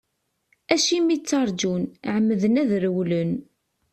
Acimi ttarǧun, ɛemmden ad rewlen.